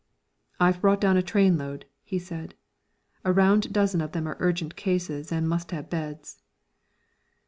"I've brought down a trainload," he said. "A round dozen of them are urgent cases and must have beds."